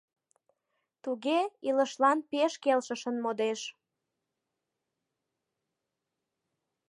— Туге, илышлан пеш келшышын модеш.